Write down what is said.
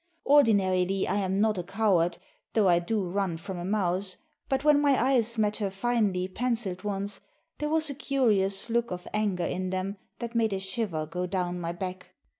Ordinarily I am not a coward, though I do run from a mouse; but when my eyes met her finely penciled ones, there was a curious look of anger in them that made a shiver go down my back.